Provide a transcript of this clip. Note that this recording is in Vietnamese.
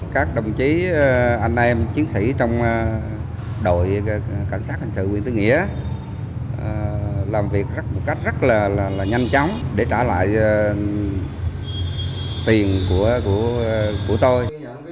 các đồng chí anh em chiến sĩ trong đội cảnh sát hành sự quy tư nghĩa làm việc một cách rất là nhanh chóng để trả lại tiền của tôi